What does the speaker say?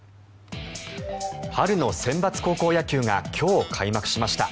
春のセンバツ高校野球が今日、開幕しました。